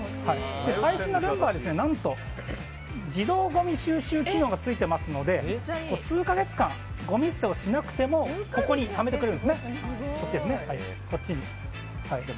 最新のルンバは何と自動ごみ収集機能がついていますので数か月間ごみ捨てをしなくてもここにためてくれるんです。